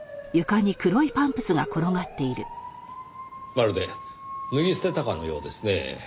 まるで脱ぎ捨てたかのようですね。